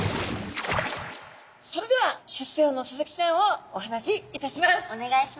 それでは出世魚のスズキちゃんをお話しいたします。